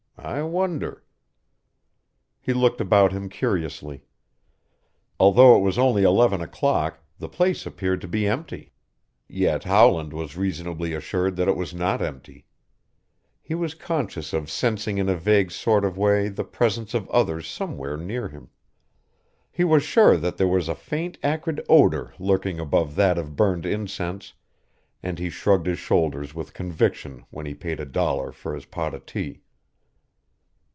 I wonder " He looked about him curiously. Although it was only eleven o'clock the place appeared to be empty. Yet Howland was reasonably assured that it was not empty. He was conscious of sensing in a vague sort of way the presence of others somewhere near him. He was sure that there was a faint, acrid odor lurking above that of burned incense, and he shrugged his shoulders with conviction when he paid a dollar for his pot of tea.